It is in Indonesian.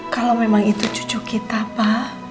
kalau memang itu cucu kita pak